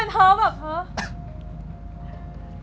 ไม่แล้วเป็นท้อแบบฮะ